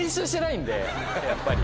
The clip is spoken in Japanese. やっぱり。